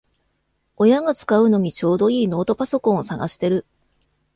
親が使うのにちょうどいいノートパソコンを探してる